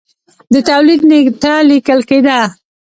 د تولید نېټه لیکل کېده.